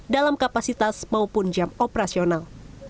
dalam kapasitas maupun jam operasional